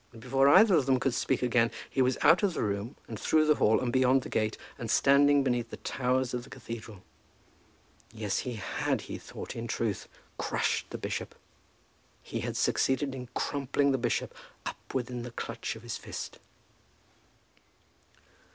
And before either of them could speak again, he was out of the room, and through the hall, and beyond the gate, and standing beneath the towers of the cathedral. Yes, he had, he thought, in truth crushed the bishop. He had succeeded in crumpling the bishop up within the clutch of his fist.